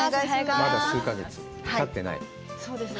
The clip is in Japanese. まだ数か月、たってない。